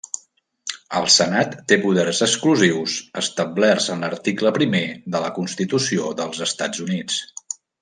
El Senat té poders exclusius establerts en l'article primer de la Constitució dels Estats Units.